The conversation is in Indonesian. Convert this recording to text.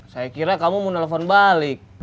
saya kira kamu mau nelfon balik